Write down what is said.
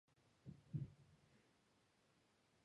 ｍｊｇｈｂｒｔ